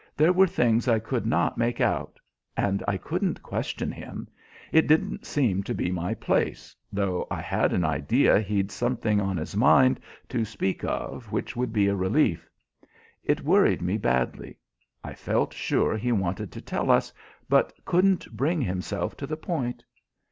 "There were things I could not make out. And I couldn't question him. It didn't seem to be my place, though I had an idea he'd something on his mind to speak of which would be a relief. It worried me badly. I felt sure he wanted to tell us, but couldn't bring himself to the point.